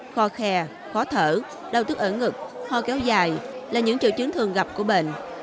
kho khe khó thở đau tức ở ngực ho kéo dài là những triệu chứng thường gặp của bệnh